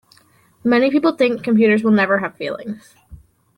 Many people think computers will never have feelings.